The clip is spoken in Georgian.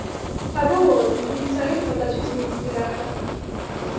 საბოლოოდ, იგი ისრაელის თავდაცვის მინისტრი გახდა.